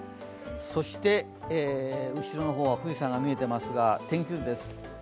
そして、後ろの方は富士山が見えていますが、天気図です。